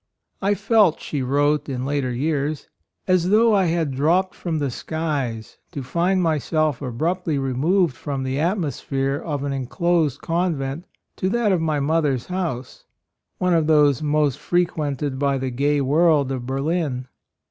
"I felt," she wrote in later years, "as though I had dropped from the skies, to find myself abruptly removed from the atmosphere of an enclosed convent to that of my mother's house, one of those most fre quented by the gay world of Berlin."